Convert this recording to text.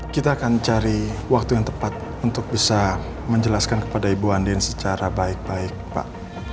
kita akan cari waktu yang tepat untuk bisa menjelaskan kepada ibu andin secara baik baik pak